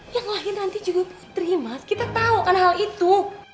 yang lahir nanti juga putri mas kita tau kan hal itu